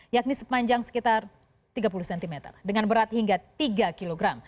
yakni sepanjang sekitar tiga puluh cm dengan berat hingga tiga kg